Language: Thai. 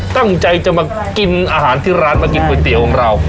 ตั้งใจจะมากินอาหารที่ร้านมากินก๋วยเตี๋ยวของเรา